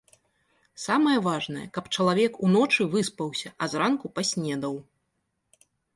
Самае важнае, каб чалавек уночы выспаўся, а зранку паснедаў.